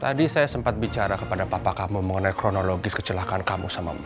tadi saya sempat bicara kepada papa kamu mengenai kronologis kecelakaan kamu sama